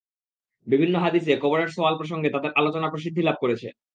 বিভিন্ন হাদীসে কবরের সওয়াল প্রসঙ্গে তাদের আলোচনা প্রসিদ্ধি লাভ করেছে।